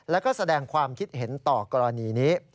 แล้วก็แสดงความคิดเห็นต่อกรณีนี้